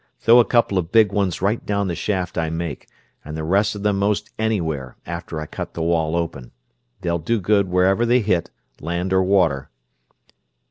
Throw a couple of big ones right down the shaft I make, and the rest of them most anywhere, after I cut the wall open. They'll do good wherever they hit, land or water."